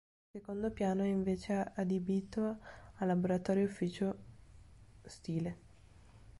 Il secondo piano è invece adibito a laboratorio e ufficio stile.